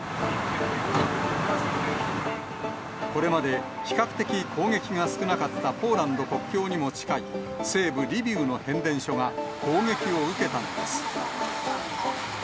これまで比較的攻撃が少なかったポーランド国境にも近い、西部リビウの変電所が攻撃を受けたのです。